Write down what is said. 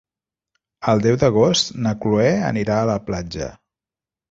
El deu d'agost na Cloè anirà a la platja.